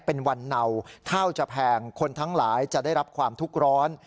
เป็นวันเนาข้าวจะแพงคนทั้งหลายจะได้รับความทุกข์ร้อน